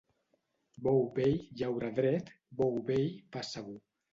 Bou vell llaura dret, bou vell, pas segur.